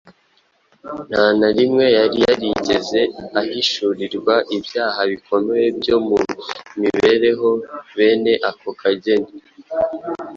Nta na rimwe yari yarigeze ahishurirwa ibyaha bikomeye byo mu mibereho bene ako kageni.